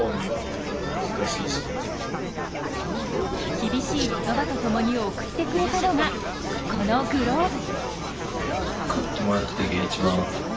厳しい言葉とともに贈ってくれたのが、このグローブ。